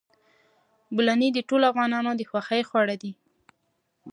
بولاني د ټولو افغانانو د خوښې خواړه دي.